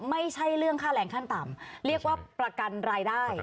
ไม่ใช่เรื่องค่าแรงขั้นต่ำเรียกว่าประกันรายได้